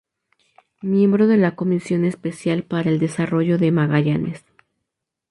Miembro de la Comisión Especial para el Desarrollo de Magallanes.